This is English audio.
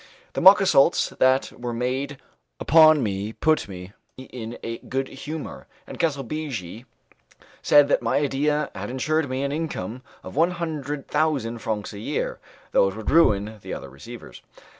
The mock assaults that were made upon me put me in a good humour, and Calsabigi said that my idea had insured me an income of a hundred thousand francs a year, though it would ruin the other receivers.